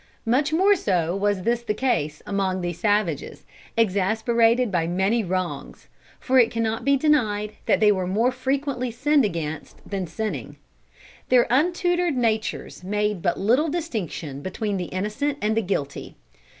Much more so was this the case among these savages, exasperated by many wrongs; for it cannot be denied that they were more frequently sinned against than sinning. Their untutored natures made but little distinction between the innocent and the guilty.